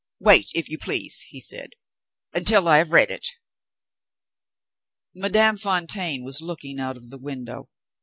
"Wait, if you please," he said, "until I have read it." Madame Fontaine was looking out of the window.